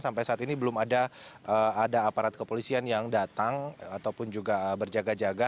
sampai saat ini belum ada aparat kepolisian yang datang ataupun juga berjaga jaga